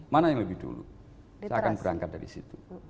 mana yang lebih dulu saya akan berangkat dari situ